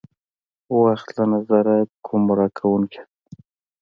وخت له نظره ګمراه کوونکې ده.